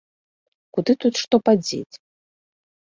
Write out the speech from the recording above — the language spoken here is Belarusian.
Куды тут што падзець?